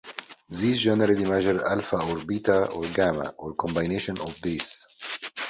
These generally measure alpha or beta or gamma, or combinations of these.